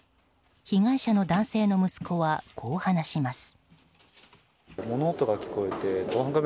被害者の男性の息子はこう話します。